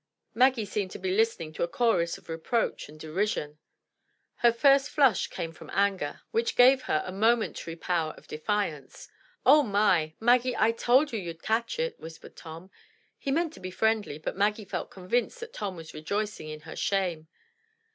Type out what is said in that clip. Maggie seemed to be listening to a chorus of reproach and derision. Her first flush came from anger, which gave her a 226 THE TREASURE CHEST momentary power of defiance. "Oh, my! Maggie, I told you you'd catch it," whispered Tom. He meant to be friendly, but Maggie felt convinced that Tom was rejoicing in her shame.